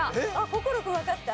心君わかった？